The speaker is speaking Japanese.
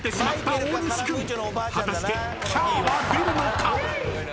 ［果たしてキャーは出るのか？］